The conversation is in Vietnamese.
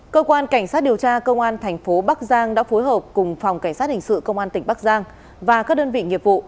cơ quan cảnh sát điều tra công an thành phố bắc giang đã phối hợp cùng phòng cảnh sát hình sự công an tỉnh bắc giang và các đơn vị nghiệp vụ